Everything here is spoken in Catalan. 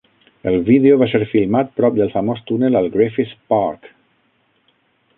El vídeo va ser filmat prop del famós túnel al Griffith Park.